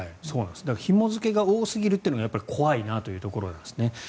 ひも付けが多すぎるというのが怖いなというところなんですね。